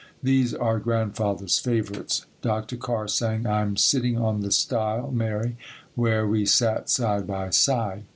These are Grandfather's favorites. Dr. Carr sang "I'm sitting on the stile, Mary, where we sat side by side."